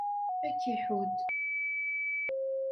Ad k-iḥudd.